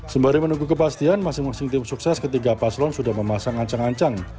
sembari menunggu kepastian masing masing tim sukses ketiga paslon sudah memasang ancang ancang